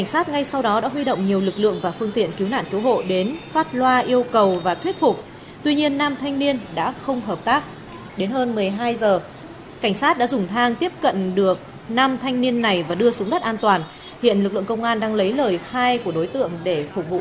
hãy đăng ký kênh để ủng hộ kênh của chúng mình nhé